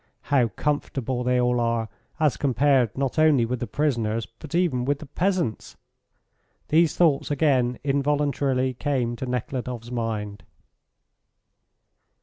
How comfortable they all are, as compared not only with the prisoners, but even with the peasants!" These thoughts again involuntarily came to Nekhludoff's mind.